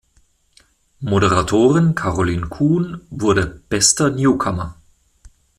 Moderatorin Carolin Kuhn wurde „Bester Newcomer“.